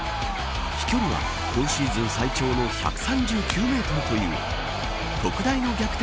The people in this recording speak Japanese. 飛距離は今シーズン最長の１３９メートルという特大の逆転